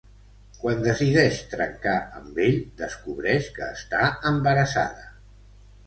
Quan decideix trencar amb ell, descobreix que està embarassada.